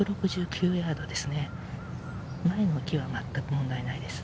１６９ヤードです。